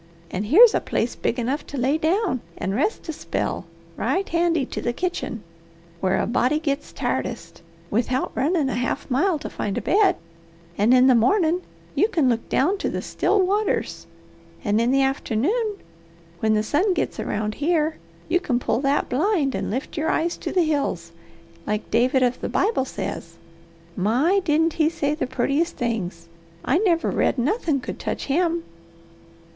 And here's a place big enough to lay down and rest a spell right handy to the kitchen, where a body gits tiredest, without runnin' a half mile to find a bed, and in the mornin' you can look down to the 'still waters'; and in the afternoon, when the sun gits around here, you can pull that blind and 'lift your eyes to the hills,' like David of the Bible says. My, didn't he say the purtiest things! I never read nothin' could touch him!"